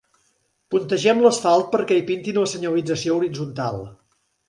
Puntegem l'asfalt perquè hi pintin la senyalització horitzontal.